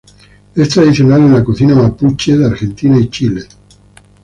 Es tradicional en la cocina mapuche de Argentina y Chile.